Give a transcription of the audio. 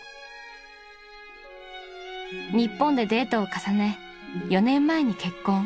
［日本でデートを重ね４年前に結婚］